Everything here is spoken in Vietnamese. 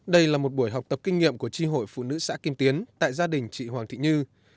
đây là một buổi học tập kinh nghiệm của tri hội phụ nữ xã kim tiến tại gia đình chị hoàng thị như